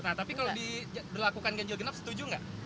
nah tapi kalau diberlakukan ganjil genap setuju nggak